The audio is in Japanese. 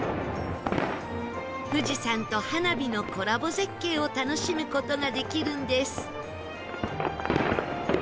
富士山と花火のコラボ絶景を楽しむ事ができるんです